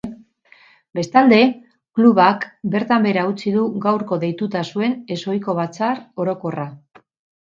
Bestalde, klubak bertan behera utzi du gaurko deituta zuen ezohiko batzar orokorra.